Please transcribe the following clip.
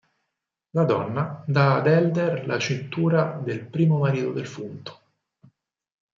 La donna dà ad Elder la cintura del primo marito defunto.